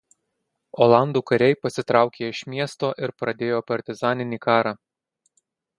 Olandų kariai pasitraukė iš miesto ir pradėjo partizaninį karą.